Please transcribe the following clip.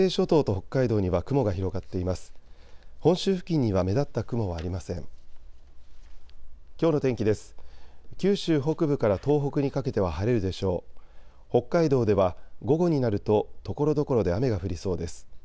北海道では午後になるとところどころで雨が降りそうです。